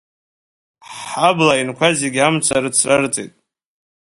Ҳҳабла аҩнқәа зегьы амца рыцрарҵеит.